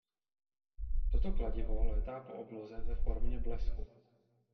Toto kladivo létá po obloze ve formě blesku.